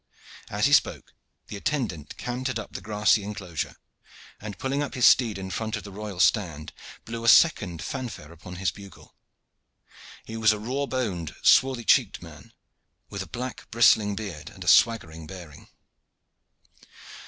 As he spoke the attendant cantered up the grassy enclosure, and pulling up his steed in front of the royal stand, blew a second fanfare upon his bugle. He was a raw boned, swarthy cheeked man, with black bristling beard and a swaggering bearing.